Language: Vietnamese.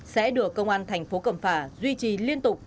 sẽ được công an thành phố cẩm phả duy trì liên tục